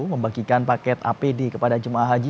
membagikan paket apd kepada jemaah haji